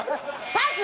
パス！